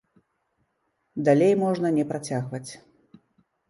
Далей можна не працягваць.